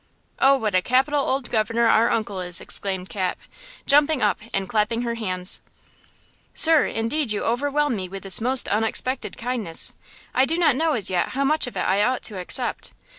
"Oh, what a capital old governor our uncle is!" exclaimed Cap, jumping up and clapping her hands. "Sir, indeed you overwhelm me with this most unexpected kindness! I do not know as yet how much of it I ought to accept.